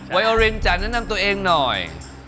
ไอโอเรนจ๋าแนะนำตัวเองหน่อย